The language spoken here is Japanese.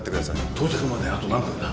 到着まであと何分だ？